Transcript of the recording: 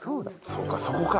そうかそこか。